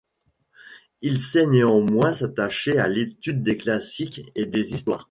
Il sait néanmoins s'attacher à l'étude des Classiques et des Histoires.